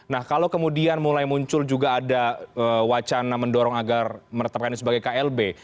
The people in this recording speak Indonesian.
nah kalau kemudian mulai muncul juga ada wacana mendorong agar menetapkan ini sebagai klb